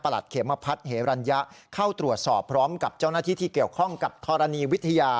เขมพัฒน์เหรัญญะเข้าตรวจสอบพร้อมกับเจ้าหน้าที่ที่เกี่ยวข้องกับธรณีวิทยา